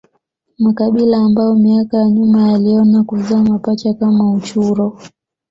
makabila ambayo miaka ya nyuma yaliona kuzaa mapacha kama uchuro